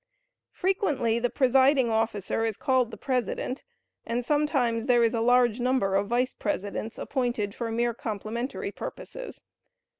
Frequently the presiding officer is called the President, and sometimes there is a large number of Vice Presidents appointed for mere complimentary purposes.